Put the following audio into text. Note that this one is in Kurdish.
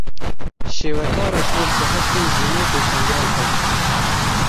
Şêwekara Kurd bi hestên jinê pêşangehek vekir.